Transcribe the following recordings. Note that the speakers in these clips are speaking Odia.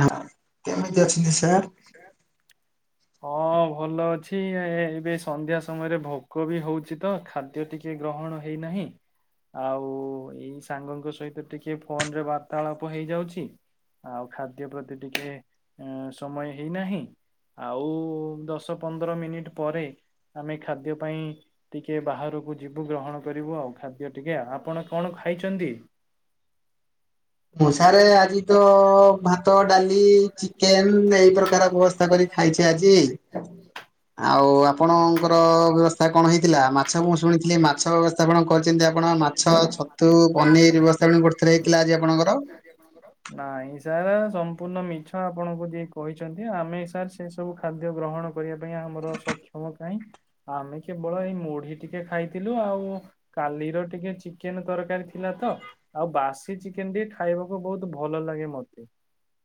ନା କେମିତି ଅଛନ୍ତି ସାର୍? [inaudible] ହଁ ଭଲ ଅଛି ଏବେ ସନ୍ଧ୍ୟା ସମୟରେ ଭୋକ ବି ହଉଚି ତ ଖାଦ୍ୟ ଟିକେ କଣ ହେଇନାହିଁ ଆଉ ଏଇ ସାଙ୍ଗଙ୍କ ସହିତ ଟିକେ ଫୋନ ରେ ବାର୍ତ୍ତାଳାପ ହେଇଯାଉଚି। ଆଉ ଖାଦ୍ୟ ପ୍ରତି ଟିକେ ଅ ସମୟ ହେଇନାହିଁ। ଆଉ ଦଶ ପନ୍ଦର ମିନିଟ ପରେ ଆମେ ଖାଦ୍ୟ ପାଇଁ ଟିକେ ବାହାରକୁ ଯିବୁ ଗ୍ରହଣ କରିବୁ, ଆଉ ଖାଦ୍ୟ ଟିକେ ଆପଣ କଣ ଖାଇଛନ୍ତି? ମୁଁ ସାରେ ଆଜି ତ ଭାତ ଡାଲି ଚିକେନ ଏଇ ପ୍ରକାର ବ୍ୟବସ୍ଥା କରି ଖାଇଚେ ଆଜି। ଆଉ ଆଉ ଆପଣଙ୍କର ବ୍ୟବସ୍ଥା କଣ ହେଇଥିଲା ମାଛ ମୁଁ ଶୁଣିଥିଲି ମାଛ ବ୍ୟବସ୍ଥା କଣ କରିଚନ୍ତି, ଆପଣ ମାଛ ଛତୁ ପନିର ବ୍ୟବସ୍ଥା କରୁଥିଲେ ହେଇଥିଲା ଆଜି ଆପଣଙ୍କର। ନାଇଁ। ସାର୍ ସମ୍ପୂର୍ଣ୍ଣ ମିଛ ଆପଣଙ୍କୁ ଯିଏ କହିଛନ୍ତି ଆମେ ସାର୍ ସେ ସବୁ ଖାଦ୍ୟ ଗ୍ରହଣ କରିବା ପାଇଁ ଆମର ସବ ସମମ କହିଁ ଆମେ କେବଳ ଏଇ ମୁଢି ଟିକେ ଖାଇଥିଲୁ, ଆଉ କାଲିର ଟିକେ ଚିକେନ ତରକାରୀ ଥିଲା। ତ ଆଉ ବାସି ଚିକେନ ଟ ଖାଇବାକୁ ବୋହୁତ ଭଲ ଲାଗେ ମତେ।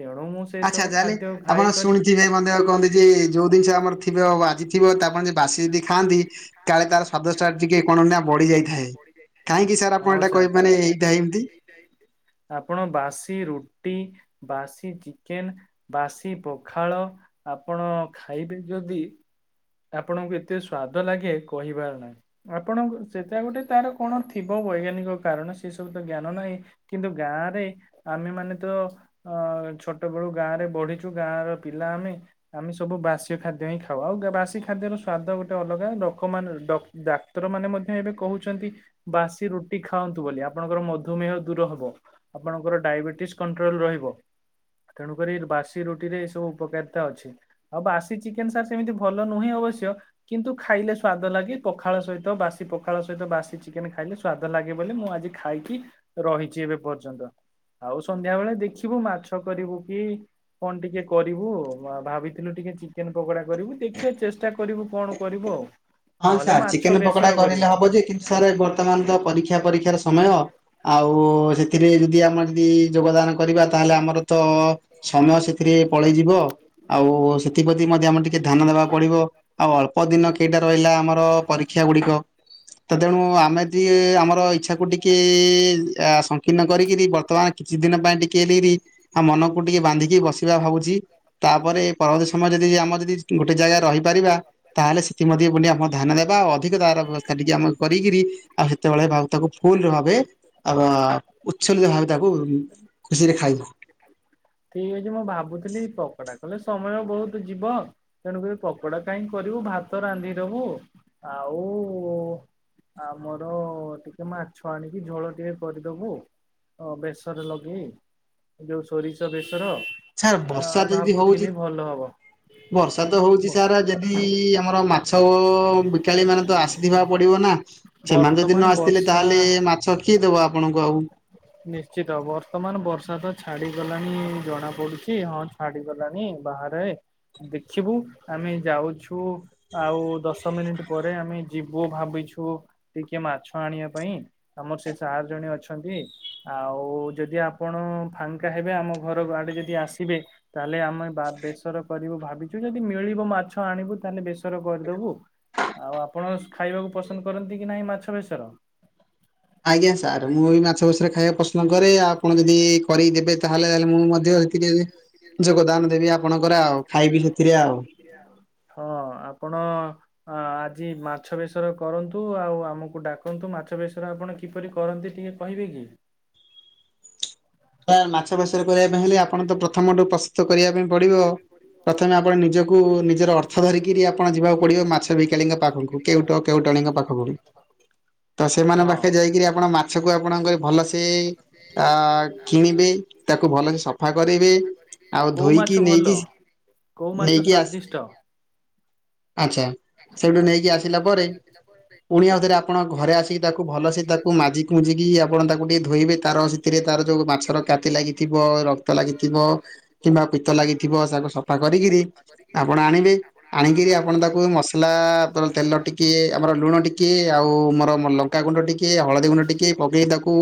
ତେଣୁ ମୁଁ ସେ ଆଚ୍ଛା ସବୁ ଚାଲେ ଖାଦ୍ୟ ଆପଣ ଖାଇକରି ଶୁଣିଥି ଭାଇ ମ କହନ୍ତି ଯେ ଯୋଉ ଜିନିଷ ଆମର ଥିବ ଆଜିିବ ଆସିିବ ତାପ ବାସି ଯଦି ଖାଆନ୍ତିି କାଳେ ତାର ସ୍ଵାଦଟା କାଳେ ଟିକେ ତାର କଣ ଫଦ ନା ବଢି ଟିକେ କଣ ନିଆ ଯାଇଥାଏ। ବଡିଯାଇଥାଏ। କାହିଁକି ସାର୍ ଆପଣ ହଁ ଏଇଟା କହି ସାର୍ ମାନେ ଏଇଟା ଏମିତି? ଆପଣ ବାସି ରୁଟି ବାସି ଚିକେନ ବାସି ପଖାଳ ଆପଣ ଖାଇବେ ଯଦି ହ ଆପଣଙ୍କୁ ଏତେ ସ୍ଵାଦ ଲାଗେ କହିବାର ନାହିଁ, ଆପଣ ସେଟା ଗୋଟେ ତାର କଣ ଥିବ ବୈ କାରଣ ସେ ସବୁ ତ ଜ୍ଞାନ ନାହିଁ କିନ୍ତୁ ଗାଁରେ ଆମେ ମାନେ ତ ଅ ଛୋଟ ବେଳୁ ଗାଁରେ ବଢିଛୁ ଗାଁ ର ପିଲା ଆମେ ଆମେ ସବୁ ବାସ୍ୟ ଖାଦ୍ୟ ହିଁ ଖାଉ ଆଉ। ବାସି ଖାଦ୍ୟର ସ୍ଵାଦ ଗୋଟେ ଅଲଗା ଲୋକମାନେ ଡାକ୍ତର ମାନେ ମଧ୍ୟ ଏବେ କହୁଛନ୍ତି ବାସି ରୁଟି ଖାଆନ୍ତୁ ବୋଲି ଆପଣଙ୍କର ମଧୁମେହ ଦୂର ହବ ଆପଣଙ୍କର ଡାଇବେଟିସ୍ କଟ୍ରୋଲ ରହିବ। ତେଣୁକରି ବାସି ରୁଟିରେ ଏ ସବୁ ଉପକାରିତା ଅଛି, ଆଉ ବାସି ଚିକେନ ସାର୍ ସେମିତି ଭଲ ନୁହେଁ ଅବଶ୍ୟ କିନ୍ତୁ ଖାଇଲେ ସ୍ଵାଦ ଲାଗେ, ପଖାଳ ସହିତ ବାସି ପଖାଳ ସହିତ ବାସି ଚିକେନ ଖାଇ ଇଲେ ସ୍ଵାଦ ଲାଗେ ବୋଲି ମୁଁ ଆଜି ଖାଇକି ରହିଚି ଏବେ ପର୍ଯ୍ୟନ୍ତ। ଆଉ ସନ୍ଧ୍ୟା ବେଳେ ଦେଖିବୁ ମାଛ କରିବୁ କି କଣ ଟିକେ କରିବୁ ଭାବିଥିଲୁ ଟିକେ। ଟିକେ ଚିକେନ ପକୋଡା କରିବୁ ଦେଖିବା ଚେଷ୍ଟା କରିବୁ କଣ କରିବୁ ଆଉ। ହଁ ନହେଲେ ସାର୍ ମାଛ ଚିକେନ ପକୋଡା ବେସର କରିବୁ। କରିଲେ ହବ ଯେ କିନ୍ତୁ ସାର୍ ବର୍ତ୍ତମାନ ତ ପରୀକ୍ଷା ପରୀକ୍ଷାର ସମୟ ଆ ଆଉ ସେଥିରେ ଯଦି ଆମର ଯଦି ଯୋଗଦାନ କରିବା। ତାହେଲେ ଆମର ତ ସମୟ ସେଥିରେ ପଳେଇଯିବ ଆଉ ସେଥିପ୍ରତି ମଧ୍ୟ ଆମର ଟିକେ ଧ୍ୟାନ ଦ ବା ପଡିବ ଆଉ ଅଳ୍ପ ଦିନ କେଇଟା ରହିଲା ଆମର ପରୀକ୍ଷା ଗୁଡିକ। ତ ତେଣୁ ଆମେ ଦି ଆମର ଇଚଛା କୁ ଟିକେ ସଂକୀର୍ଣ୍ଣ କରିକିରି ବର୍ତ୍ତମାନ କିଛି ଦିନ ପାଇଁ ଟିକେ କେ ଡେରି ଆ ମନକୁ ଟିକେ ବାନ୍ଧିକି ବସିବା ଭାବୁଚି ତାପରେ ପରବର୍ତୀ ସମୟ ଯଦି ଆମ ଯଦି ଗୋଟେ ଜାଗା ରହିପାରିବା ତାହେଲେ ଇମଧ୍ୟ ବୋଲି ଆମେ ଧ୍ୟାନ ଦେବା ଆଉ ଅଧିକ ତାର ବ୍ୟବସ୍ଥା ଟିକେ ଆମେ କରିକିରି ଆଉ ସେତେବେଳେ ଭଉ ତାକୁ ଫୁଲ ଭାବେ ଆଉ ଉଚ୍ଛଲ୍ୟ ଭାବେ ତାକୁ ଖୁସିରେ ଖାଇବୁ। ଠିକ ଅଛି ମୁଁ ଭାବୁଥିଲି ପକୋଡା କଲେ ସମୟ ବହୁତ ଯିବ ତେଣୁକରି ଏ ପକୋଡା କାହିଁ କରିବୁ ଭାତ ରାନ୍ଧିଦବୁ। ଆଉ ଆମର ଟିକେ ମାଛ ଆଣିକି ଝୋଳ ଟିକେ କରିଦବୁ। ହଁ ବେେଶରେ ଲଗେଇ ଯୋଉ ସୋରିଷ ବେ ର ସାର୍ ବର୍ଷା ଯଦି ହଉଛି ଭାବୁଥିଲି ଭଲ ହବ। ବର୍ଷା ତ ହଉଚି ସାର ଯଦି ଆମର ମା ଛବୁ ବିକାଳି ମାନେ ତ ଆସିଥିବା ପଡ଼ିବ ନା? ସେମାନେ ଯଦି ବର୍ତ୍ତମାନ ନ ଆସିଥିଲେ ବର୍ଷା ତାହେଲେ ମାଛ କିଏ ଦେବ ଆପଣଙ୍କୁ ଆଉ। ନିଶ୍ଚିତ ବର୍ତ୍ତମାନ ବର୍ଷା ତ ଛାଡିଗଲାଣି ଜଣା ପଡୁଚି ହଁ ଛାଡିଗଲାଣି। ବାହାରେ ଦେଖିବୁ ଆମେ ଯାଉଛୁ ଆଉ ଦଶ ମିନିଟ୍ ପରେ ଆମେ ଯିବୁ ଭାବିଛୁ ଟିକେ ମାଛ ଆଣିବା ପାଇଁ ଆମର ସେ ସାର୍ ଜଣ ଅଛନ୍ତି। ଆଉ ଯଦି ଆପଣ ଫାଙ୍କା ହେବେ ଆମ ଘର ଆଡେ ଯଦି ଆସିବେ ତାହେଲେ ଆମେବା ବେସର କରିବୁ ଭାବିଚୁ, ଯଦି ମିଳିବ ମାଛ ଆଣିବୁ ତାହେଲେ ବେସର କରିଦବୁ। ଆଉ ଆପଣ ଖାଇବାକୁ ପସନ୍ଦ କରନ୍ତି କି ନାହିଁ ମାଛ ବେଶର? ପ୍ରଶ୍ନ କରେ ଆପଣ ଯଦି କରେ଼ଇଦେବେ ତାହେଲେ ତାଲେ ମୁଁ ମଧ୍ୟ ଏଥିରେ ଯୋଗଦାନ ଦେବି ଆ ହଁ ଆପଣ ଅ ଆଜି ମାଛ ବେସର କରନ୍ତୁ ଆଉ ଆମକୁ ଡାକନ୍ତୁ ମାଛ ବେସର ଆପଣ କିପରି କରନ୍ତି? ଟିକେ କହିବେ କି? ମାଛ ବେସର କରିବା ପାଇଁ ହେଲେ ଆପଣ ତ ପ୍ରଥମଠୁ ପ୍ରସ୍ତୁତ କରିବା ପାଇଁ ପଡିବ ପ୍ରଥମେ ଆପଣ ନି ଜକୁ ନିଜର ଅର୍ଥ ଧରିକିରି ଆପଣ ଯିବାକୁ ପଡିବ ମାଛ ବିକାଳିୀଙ୍କ ପାଖକୁ କେଉଟ କେଉଟାଳିଙ୍କ ପାଖକୁ। ହ। ତ ସେମାନଙ୍କ ପାଖରେ ଯାଇକରି ଆପଣ ମାଛକୁ ଆପଣଙ୍କ ଭଲସେ ଅ କିଣିବେ ତାକୁ ଭଲସେ ସଫା କରାଇିବେ ଆଉ କୋଉ ମାଛ ଧୋଇକି ଭଲ ନେଇକି କୋଉ ମାଛ ନେଇକି ଆସ ସ୍ଵାଦିଷ୍ଟ? ଆଚ୍ଛା ସେଠୁ ନେଇକି ଆସିଲା ପରେ ପୁଣି ଆଉଥରେ ଆପଣ ଘରେ ଆସିକି ତାକୁ ଭଲସେ ତାକୁ ମାଜିକି ମୁଜିକି ଆପଣ ତାକୁ ଟିକେ ଧୋଇବେ ତାର ସେଥିରେ ତାର ଯେଉଁ ମାଛର କାତି ଲାଗିଥିବ ରକ୍ତ ଲାଗିଥିବ କିମ୍ବା ପିତ ଲାଗିଥିବ ତାକୁ ସଫା କରିକିରି ଆପଣ ଆଣିବେ। ଆଣିକିରି ଆପଣ ତାକୁ ମସଲା ତେଲ ଟିକେ ଆମର ଲୁଣ ଟିକେ ଆଉ ମୋର ଲଙ୍କା ଗୁଣ୍ଡ ଟିକେ ହଳଦୀ ଗୁଣ୍ଡ ଟିକେ ପକେଇ ତାକୁ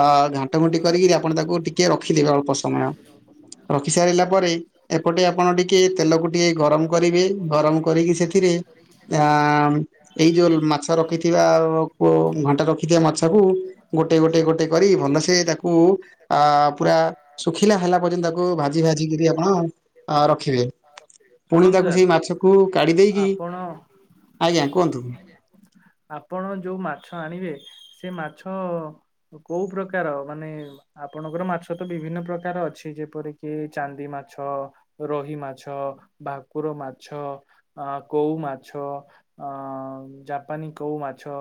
ଅ ଘାଣ୍ଟ ଘୁଣ୍ଟି କରି ଆପଣ ତାକୁ ଟିକେ ରଖିଦେବେ ଅଳ୍ପ ସମୟ। ରଖି ସାରିଲା ପରେ ଏପଟେ ଆପଣ ଟିକେ ତେଲକୁ ଟିକେ ଗରମ କରିବେ ଗରମ କରିକି ସେଠି ଥି ରେ ଏଇ ଯୋଉ ମାଛ ରଖିଥିବା ତା ପ ଘଣ୍ଟା ରଖିଥିବା ମାଛକୁ ଗୋଟେ ଗୋଟେ ଗୋଟେ ଗୋଟେ କରି ଭଲସେ ତାକୁ ଆ ପୁରା ଶୁଖିଲା ହେଲା ପର୍ନ୍ତ ତାକୁ ଭାଜି ଭାଜି କରିରି ଆପଣ ରଖିବେ। ପୁଣି ଶୁଣନ୍ତୁ ତାକୁ ସାର୍ ସେଇ ମାଛକୁ କାଢି ଦେଇକି ଆପଣ ଆଜ୍ଞା କୁହନ୍ତୁ? ଆପଣ ଯୋଉ ମାଛ ଆଣିବେ ସେ ମାଛ କୋଉ ପ୍ରକାର ମାନେ ଆପଣଙ୍କର ମା ମାଛ ତ ବିଭିନ୍ନ ପ୍ରକାର ଅଛି ଯେପରିକି ଚାନ୍ଦି ମାଛ ରୋହି ମାଛ ଭାକ କୁର ମାଛ ଆ କଉ ମାଛ ଅ ଜାପାନୀ କଉ ମାଛ ଛ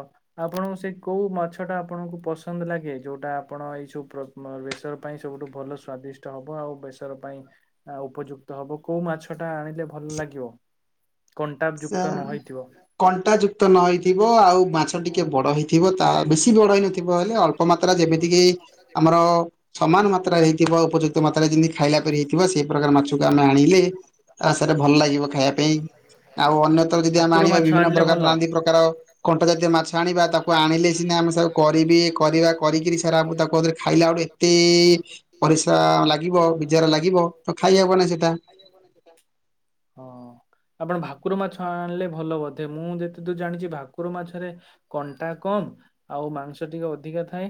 ଆପଣଙ୍କୁ ସେ କୋଉ ମାଛ ଟା ଆପଣଙ୍କୁ ପସନ୍ଦ ଲାଗେ ଯୋଉଟା ଆପଣ ଏଇ ସବୁ ପ୍ରଶ୍ନ ଏବେ ବେସର ପାଇଁ ସବୁଠୁ ଭଲ ସ୍ଵାଦିଷ୍ଟ ହବ ଆଉ ବେସର ପାଇଁ ଉପଯୁକ୍ତ ହବ କୋଉ ମାଛ ଟା ଆଣି ଲେ ଭଲ ଲାଗିବ। କଣ୍ଟା ସ ଯୁକ୍ତ ନ ହେଇଥିବ କଣ୍ଟା ଯୁକ୍ତ ନ ହେଇଥିବ ଆଉ ମାଛ ଟିକେ ବଡ ହେଇଥିବ ତା ବେଶୀ ବଡ ହେଇନଥିବ ହେଲେ ଅଳ୍ପ ମାତ୍ରା ଯେମିତିକି ଆମର ସମାନ ମାତ୍ରାରେ ହେଇଥିବ ଉପଯୁକ୍ତ ମାତ୍ରାରେ ଯେମିତି ଖାଇଲା ପରି ହେଇଥିବ ସେଇ ପ୍ରକାର ମାଛକୁ ଆମେ ଆଣିଲେ ସାରା ଭଲ ଲାଗିବ ଖାଇବା ପାଇଁ ଆଉ ଅନ୍ୟତ ଯଦି ଆମେ ଭାକୁର ଆଣିବା ମାଛ ବିଭିନ୍ନ ଆଣିଲେ ପ୍ରକାର ଭଲ। ନାନାଦୀ ପ୍ରକାର କଣ୍ଟା ଜାତୀୟ ମାଛ ଆଣିବା ତାକୁ ଆଣିଲେ ସିନା ଆମେ ତାକୁ କରିବି କରିବା କରିକିରି ସେରା ଫୁ ତାକୁ ଆଉଥରେ ଖା ଖାଇଲା ଆଟୁ ଏତେ ପରିସ୍ରା ଲାଗିବ ବିଜାର ଲାଗିବ ତ ଖାଇ ହବ ନାଇ ସେଟା ହଁ ଆପଣ ଭାକୁର ମାଛ ଆଣିଲେ ଭଲ ବୋଧେ। ମୁଁ ଯେତେ ଦୂର ଜାଣିଛି ଭାକୁ ଭାକୁର ମାଛରେ କଣ୍ଟା କମ ଆଉ ମାଂସ ଟିକେ ଅଧିକା ଥାଏ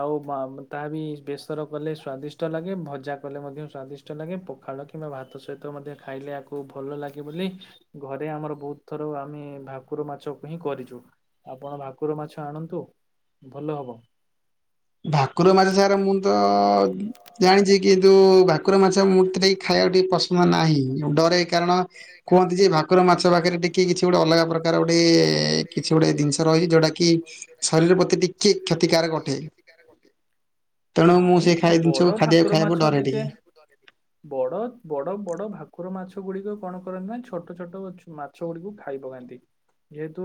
ଆଉ ମା ତା ବି ବେସର କଲେ ସ୍ଵାଦିଷ୍ଟ ଲାଗେ ଭଜା କଲେ ମଧ୍ୟ ସ୍ଵାଦିଷ୍ଟ ଲାଗେ ପଖାଳ କିମ୍ବା ଭାତ ସହିତ ମଧ୍ୟ ଖାଇଲେ ଆକୁ ଭଲ ଲାଗେ ବୋଲି ଘରେ ଆମର ବହୁତ ଥର ଆମେ ଭାକୁର ମାଛକୁ ହିଁ କରିଛୁ। ଆପଣ ଭାକୁର ମାଛ ଆଣନ୍ତୁ ଭଲ ହବ। ଭାକୁର ମାଛ ସାର ମୁଁ ତ ଜାଣିଛି କିନ୍ତୁ ଭାକୁର ମାଛ ମୁଁ ଟ ଖାଇବାକୁ ଟିକେ ପସନ୍ଦ ନାହିଁ। ଡରେ କାରଣ କୁହନ୍ତି ଯେ ଭାକୁର ମାଛ ପାଖରେ ଟିକେ କିଛି ଗୋଟେ ଅଲଗା ପ୍ରକାର ପ୍ରକାର ଗୋଟେ କିଛି ଗୋଟେ ଜିନିଷ ରହିଛି ଯୋଉଟା କି ଶରୀର ପ୍ରତି ଟିକେ କ୍ଷତିକାରକ ଅଟେ। ତେଣୁ ମୁଁ ନାଇଁ ସେଇ ବ- ଖାଇଆ ବଡ ଜିନିଷକୁ ଖାଦ୍ୟକୁ ଖାଇବାକୁ ଡରେ ଟିକେ। ବଡ଼ ବଡ ବଡ ଭାକୁ କୁର ମାଛ ଗୁଡିକ କଣ କରନ୍ତି ନା ଛୋଟ ଛୋଟ ମାଛ ଗୁଡିକୁ ଖାଇ ପକାନ୍ତି ଯେହେତୁ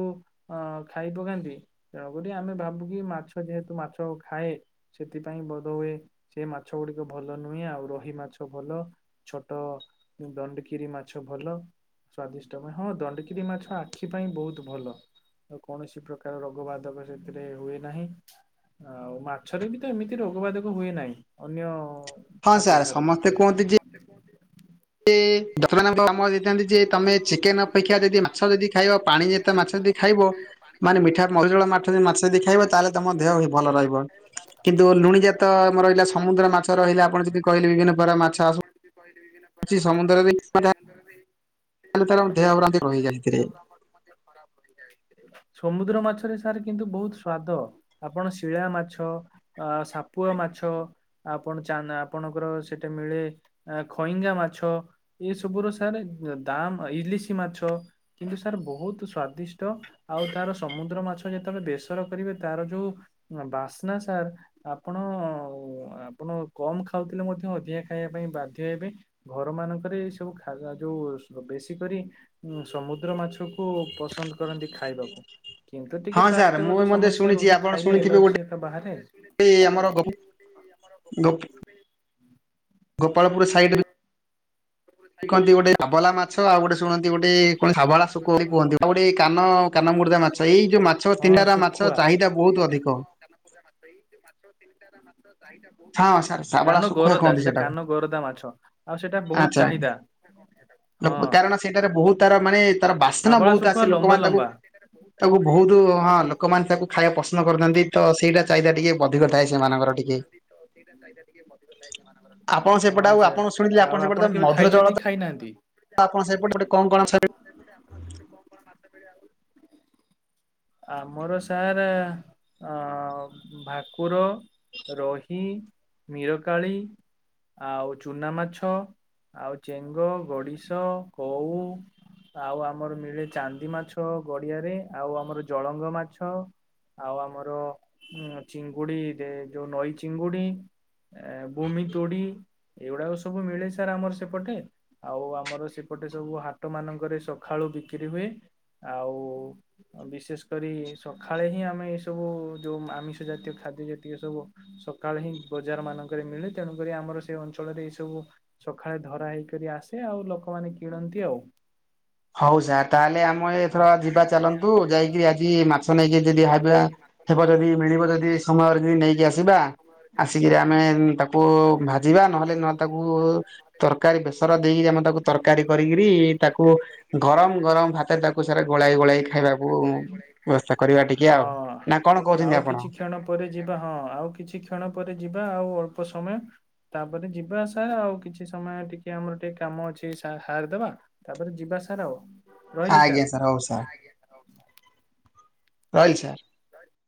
ଅ ଖାଇ ପକାନ୍ତି ତେଣୁକ ଆମେ ଭାବୁ କିି ମାଛ ଯେହେତୁ ମାଛ ଖାଏ ସେଥିପାଇଁ ବୋଧ ହୁଏ ସେ ମାଛ ଗୁଡିକ ଭଲ ନୁହେଁ ଆଉ ରୋହି ମାଛ ଭଲ। ଛୋଟ ଦଣ୍ଡକିରି ମାଛ ଭଲ ସ୍ଵାଦିଷ୍ଟ ପାଇଁ ହଁ ଦଣ୍ଡକିରି ମାଛ ଆଖି ପାଇଁ ବହୁତ ଭଲ। ଆ କୌଣସି ପ୍ରକାର ରୋଗ ବାଧକ ସେଥିରେ ହୁଏ ନାହିଁ। ଆଉ ମାଛରେ ବି ତ ଏମିତି ରୋଗ ବାଧକ ହୁଏ ନାହିଁ ଅନ୍ୟ ହଁ ସାର୍ ଖାଦ୍ୟଠାରୁ ଏ ବର୍ତମାନ ଆମର କାମ ଦେଇଥାନ୍ତି ଯେ ତମେ ଚିକେନ ଅପେକ୍ଷା ଯଦି ମାଛ ଯଦି ଖାଇବା ପାଣି ଯେତେ ମାଛ ମାଛ ଯଦି ଖାଇବ ପାଣି ମାନେ ଏତ ମିଠା ମାଛ ଯଦି ମରିଜଳ ଖାଇବ ମାଛ ମାଛ ଯଦି ମାନେ ଖାଇବ ମିଠା ତାହେଲେ ମଧୁର ଜଳ ମାଛ ମାଛ ଯଦି ଖାଇବା ତାହେଲେ ତମ ଲୁଣି ଜାତ ଆମର ରହିଲା ସମୁଦ୍ର ମାଛ ରହିଲା ଆପଣ ଯଦି କହିଲେ ବିଭିନ୍ନ ପ୍ରକାର ମାଛ ଆସୁ ମାଛ ଆୁଛି ସମୁଦ୍ର ଦେଇ ସେ ମା ତାର ଗାଈ ଦେହଭ୍ରାନ୍ତି ଚା ରହିଯାଏ ଏଥିରେ। ଦେହୁମ ଖରାପ। [inaudible] ସମୁଦ୍ର ମାଛରେ ସାର୍ କିନ୍ତୁ ବହୁତ ସ୍ଵାଦ। ଆପଣ ଶିଳା ମାଛ, ସାପୁଆ ମା ମାଛ ଆପଣ ଚା ଆପଣଙ୍କର ସେଟା ମିଳେ ଖଇଙ୍ଗା ମାଛ ଇଏ ସ ସବୁର ସାର୍ ଦାମ୍ ଇଲିସି ମାଛ କିନ୍ତୁ ସାର୍ ବହୁତ୍ ସ୍ୱାଦ ଦିଷ୍ଟ ଆଉ ତାର ସମୁଦ୍ର ମାଛ ଯେତେବେଳେ ବେସର କରିବେ ତାର ଯୋଉ ବାସ୍ନା ସାର୍ ଆପଣ ଆପଣ କମ ଖାଉଥିଲେ ମଧ୍ୟ ଅଧିକା ଖାଇବା ପାଇଁ ବାଧ୍ୟ ହେବେ ଘର ମାନଙ୍କରେ ଏ ସବୁ ଖା ଯୋଉ ବେଶୀ କରି ସମୁଦ୍ର ମାଛକୁ ପସନ୍ଦ କରନ୍ତି ଖାଇବାକୁ। କିନ୍ତୁ ଟିକେ ହଁ ସାର୍ ମୁଁ ସ୍ଵାସ୍ଥ୍ୟଗତ ମଧ୍ୟ ସମସ୍ୟା ଶୁଣିଛି ରୁହେ ଆପଣ ଖାଇଲେ ଶୁଣିଥିବେ ଏଲର୍ଜି ବାହାରେ ଗୋଟେ ଗୋ ଆମର ଗୋ ଗୋପାଳପୁରରେ Gopalpur side Gopalpur side କହନ୍ତି ଗୋଟେ ଧାବଲା ମାଛ ଆଉ ଗୋଟେ ଶୁଣନ୍ତି ଗୋଟେ କଣ ହାବଳା ଶୋକ ବୋଲି କୁହନ୍ତି। ଆଉ ଗୋଟେ କାନ କାନ ମୁଡ୍ଦା ମା ମାଛ ଏଇ ଯୋଉ ମାଛ ହଁ ତିନାରା ମାଛ ଚାହିଦା ବହୁତ ଅଧିକ। ଏଇ ଜଉ ମାଛ ତିନିଟାର ମାଛ। ହଁ ସାର୍ ଶାବଳା କାନ ଶୁଖୁଆ ଗରଦା କହନ୍ତି ସେଟା କାନ ଗରଦା ମାଛ ଆଉ ସେଇଟା ବହୁତ ଦାମ୍ ଚାହିଦା ହଁ କାରଣ ସେଇଟାରେ ବହୁତ ତାର ମାନେ ତାର ବାସ୍ନା ଶାବଳା ବହୁତ ଶୁଖୁଆ ଆସେ ଲମ୍ବା ଲୋକମାନେ ତାକୁ ଲମ୍ବା। ତାକୁ ବହୁତ ହଁ ଲୋକମାନେ ତାକୁ ଖାଇବା ପସନ୍ଦ କରନ୍ତି ତ ସେଇଟା ଚାହିଦା ଟିକେ ଅଧିକ ଥାଏ ସେମାନଙ୍କର। ଟିକେ ଆପଣ ସେପଟେ ହଁ ଆଉ ସାର୍ ଆପଣ ଶୁଣିଥିଲେ ଆଉ ସେପଟେ ତ ଆପଣ କେବେ ମଧୁର ଜଳ ଖାଇଚନ୍ତି ତ କି ଖାଇନାହାନ୍ତି? ଏବେ ଆପଣ ସେପଟେ ଗୋଟେ ମଧୁର କଣ ଜଳ କଣ ଆମ ଏପଟେ [inaudible] [inaudible] ଆମର ସାର୍ ଅ ଭାକୁର। ରହି ମୀରକାଳି ଆଉ ଚୁନା ମାଛ। ଆଉ ଚେଙ୍ଗ ଗଡିଶ କଉ ଆଉ ଆମର ମିଳେ ଚାନ୍ଦି ମାଛ ଗଡିଆରେ ଆଉ ଆମର ଜଳଙ୍ଗ ମାଛ। ଆଉ ଆମର ଅ ଚିଙ୍ଗୁଡି ଯୋଉ ନଈ ଚିଙ୍ଗୁଡି। ଏ ଭୂମି ତୋଡି ଏଇଗୁଡାକ ସବୁ ମିଳେ ସାର୍ ଆମର ସେପଟେ ଆଉ ଆମର ସେପଟେ ଗୋଟେ ସବୁ ହାଟ ମାନଙ୍କରେ ସକାଳୁ ବିକ୍ରି ହୁଏ। ଆଉ ବିଶେଷ କରି ସକାଳେ ହିଁ ଆମେ ଏଇ ସବୁ ଯୋଉ ଆମିଷ ଜାତୀୟ ଖା ଖାଦ୍ୟ ଯେତିକ ସବୁ ସକାଳ ହିଁ ବଜାର ମାନଙ୍କରେ ମିଳେ ତେଣୁକରି ଆମର ସେ ଅଞ୍ଚଳରେ ଏଇ ସବୁ ସକାଳେ ଧରା ହେଇକରି ଆସେ ଆଉ ଲୋକମାନେ କିଣନ୍ତି ଆଉ। ହଉ ଯା ତାହେଲେ ଆମେ ସମୟ ଏଥର ଯିବା ଚାଲନ୍ତୁ ଯାଇକିରି ଆଜି ମାଛ ନେଇକି ଯଦି ହେବ ଯଦି ମିଳିବ ଯଦି ସମୟରେ ଯଦି ନେଇକି ଆସିବା, ଆସିକିରି ଆମେ ତାକୁ ଭାଜିବା ନହେଲେ ନହେଲେ ତାକୁ ତରକାରୀ ବେସର ଦେଇକି ଆମ ତାକୁ ତରକାରୀ କରିକିରି ତାକୁ ଗରମ ଗରମ ଭାତରେ ତାକୁ ତ ସାରା ଗୋଳାଇ ଗୋଳେଇ ଖାଇବାକୁ ବ୍ୟବସ୍ଥା କରିବା ଟିକେ ଆଉ ହଁ ନା କଣ ଆଉ କହୁଚନ୍ତି ଆପଣ? କିଛି କ୍ଷଣ ପରେ ଯିବା ହଁ ଆଉ କିଛି କ୍ଷଣ ପରେ ଯିବା ଆଉ ଅଳ୍ପ ସମୟ। ତାପରେ ଯିବା ଆସାର ଆଉ କିଛି ସମୟ ଟିକେ ଆମର ଟିକେ କାମ ଅଛି ସାରିଦବା ତାପରେ ଯିବା। ସାର୍ ଆଉ ରହିଲି ଆଜ୍ଞା ସାର୍। ହଉ ସାର୍ ରହିଲି ସାର୍। [inaudible]